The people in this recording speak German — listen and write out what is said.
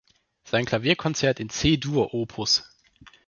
Sein Klavierkonzert in C-dur op.